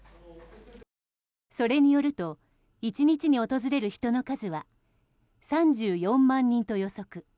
それによると１日に訪れる人の数は３４万人と予測。